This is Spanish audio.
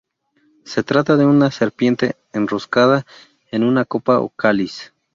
Se trata de una serpiente enroscada en una copa o cáliz.